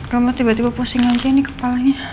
kamu tiba tiba pusing aja ini kepalanya